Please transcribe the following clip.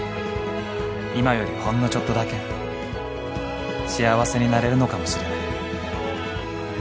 ［今よりほんのちょっとだけ幸せになれるのかもしれない］